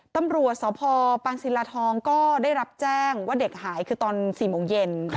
ตำรวจสพปังศิลาทองก็ได้รับแจ้งว่าเด็กหายคือตอน๔โมงเย็น